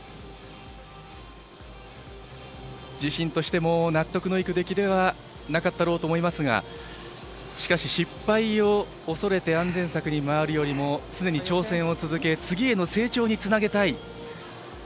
自身としても納得のいく出来ではなかったろうと思いますがしかし失敗を恐れて安全策に回るよりも常に挑戦を続け次への成長につなげたい。